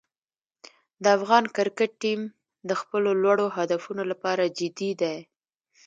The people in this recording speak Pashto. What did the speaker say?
د افغان کرکټ ټیم د خپلو لوړو هدفونو لپاره جدي دی.